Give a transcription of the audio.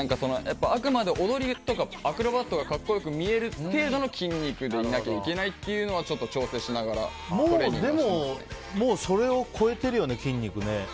あくまで踊りとかアクロバットが格好良く見える程度の筋肉でいなきゃいけないというのはちょっと調整しながらもうそれを超えてるよね、筋肉。